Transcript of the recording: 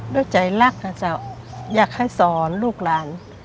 ด้วยใจรักอาจารย์อยากให้สอนลูกหลาน